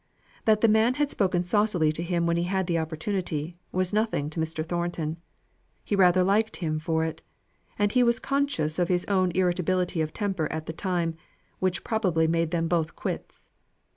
That the man had spoken saucily to him when he had the opportunity, was nothing to Mr. Thornton. He rather liked him for it; and he was conscious of his own irritability of temper at the time, which probably made them both quits.